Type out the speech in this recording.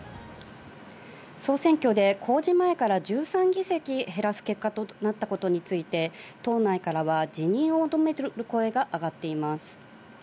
総選挙で公示前から１３議席減らす結果となったことについて党内からは辞任を求める声があがっています。